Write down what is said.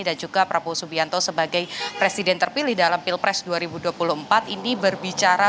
dan juga prabowo supianto sebagai presiden terpilih dalam pilpres dua ribu dua puluh empat ini berbicara